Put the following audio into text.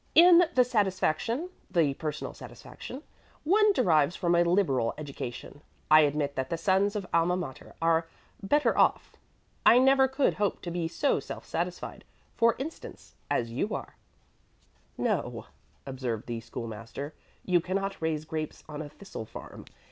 In the satisfaction the personal satisfaction one derives from a liberal education, I admit that the sons of Alma Mater are the better off. I never could hope to be so self satisfied, for instance, as you are." [Illustration: THE SCHOOL MASTER AS A COOLER] "No," observed the School master, "you cannot raise grapes on a thistle farm.